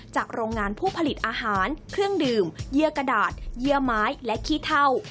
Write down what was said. โรงงานผู้ผลิตอาหารเครื่องดื่มเยื่อกระดาษเยื่อไม้และขี้เท่า